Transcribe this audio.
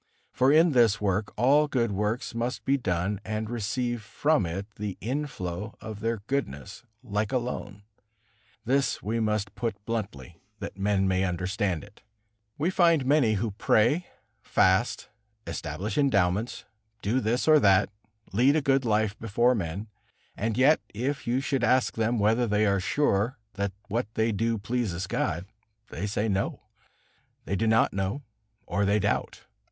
For in this work all good works must be done and receive from it the inflow of their goodness, like a loan. This we must put bluntly, that men may understand it. We find many who pray, fast, establish endowments, do this or that, lead a good life before men, and yet if you should ask them whether they are sure that what they do pleases God, they say, "No"; they do not know, or they doubt.